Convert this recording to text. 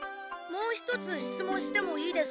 もう一つ質問してもいいですか？